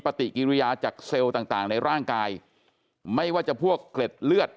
ปฏิกิริยาจากเซลล์ต่างต่างในร่างกายไม่ว่าจะพวกเกล็ดเลือด